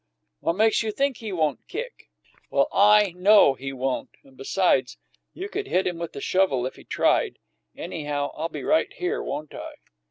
"What makes you think he won't kick?" "Well, I know he won't, and, besides, you could hit him with the shovel if he tried to. Anyhow, I'll be right here, won't I?"